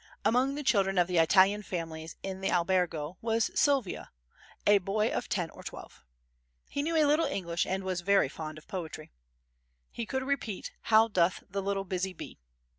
Among the children of the Italian families in the albergo was Silvio, a boy of ten or twelve. He knew a little English and was very fond of poetry. He could repeat, "How doth the little buzzy bee."